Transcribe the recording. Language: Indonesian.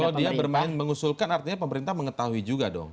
kalau dia bermain mengusulkan artinya pemerintah mengetahui juga dong